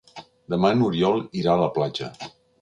Demà n'Oriol irà a la platja.